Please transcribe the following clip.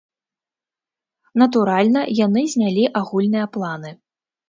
Натуральна, яны знялі агульныя планы.